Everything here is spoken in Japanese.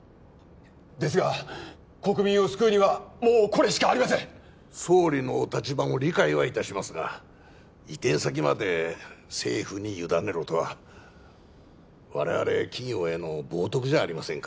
ですが国民を救うにはもうこれしかありません総理のお立場も理解はいたしますが移転先まで政府に委ねろとは我々企業への冒とくじゃありませんか